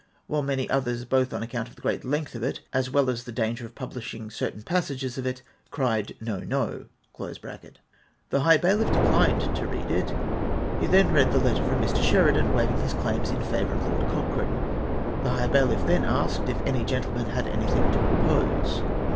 '''' while many others, both on account of the great length of it as well as the danger of jaublishing certain passages of it, cried "No, no!''''). The high bailiff declined to read it. He then read the letter from Mr. Sheridan, waiving his claims in favour of Lord Cochrane. The high bailiff then asked if any gentleman had an3rthing to propose.